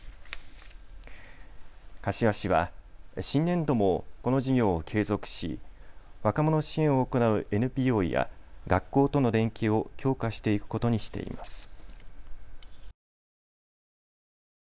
柏市は新年度もこの事業を継続し、若者支援を行うＮＰＯや学校との連携を強化していくことにしています。